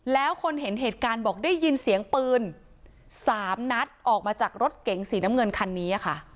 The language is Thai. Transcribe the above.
แล้วคนเห็นเหตุการณ์บอกได้ยินเสียงปืน๓นัดออกมาจากรถเก๋งสีน้ำเงินคันนี้ค่ะ